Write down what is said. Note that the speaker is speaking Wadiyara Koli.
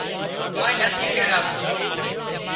آنئين نٿِي تيڙاوتو